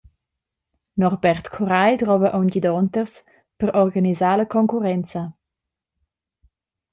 Norbert Coray drova aunc gidonters per organisar la concurrenza.